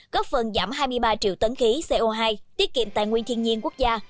góp phần giảm hai mươi ba triệu tấn khí co hai tiết kiệm tài nguyên thiên nhiên quốc gia